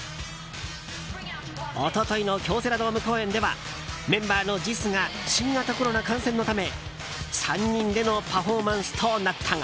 一昨日の京セラドーム公演ではメンバーのジスが新型コロナ感染のため３人でのパフォーマンスとなったが。